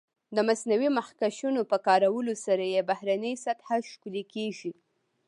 د مصنوعي مخکشونو په کارولو سره یې بهرنۍ سطح ښکلې کېږي.